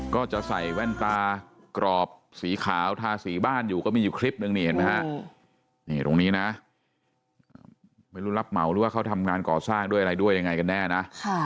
ก็จะใส่แว่นตากรอบสีขาวทาสีบ้านอยู่ก็มีอยู่คลิปนึงนี่เห็นไหมฮะ